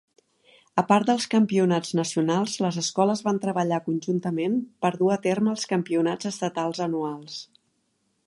A part dels campionats nacionals, les escoles van treballar conjuntament per dur a terme els campionats estatals anuals.